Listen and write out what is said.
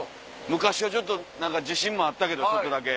昔はちょっと何か自信もあったけどちょっとだけ。